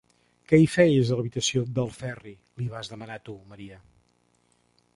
Què hi feies, a l'habitació del Ferri? –li vas demanar tu, Maria.